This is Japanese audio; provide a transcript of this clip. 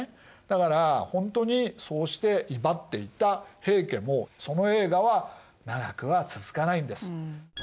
だからほんとにそうして威張っていた平家もその栄華は長くは続かないんです。